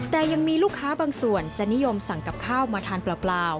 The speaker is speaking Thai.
แต่ยังมีลูกค้าบางส่วนจะนิยมสั่งกับข้าวมาทานเปล่า